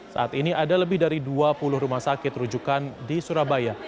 saat ini ada lebih dari dua puluh rumah sakit rujukan di surabaya